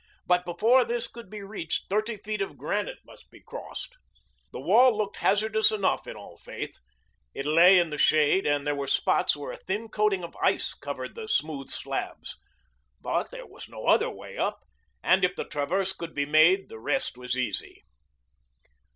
But before this could be reached thirty feet of granite must be crossed. The wall looked hazardous enough in all faith. It lay in the shade, and there were spots where a thin coating of ice covered the smooth slabs. But there was no other way up, and if the traverse could be made the rest was easy.